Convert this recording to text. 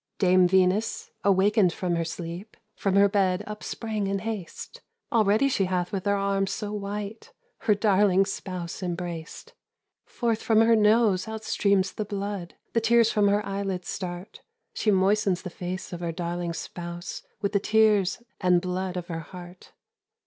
Dame Venus, awakened from her sleep, From her bed upsprang in haste. Already she hath with her arms so white Her darling spouse embraced. Forth from her nose outstreams the blood, The tears from her eyelids start; She moistens the face of her darling spouse With the tears and blood of her heart.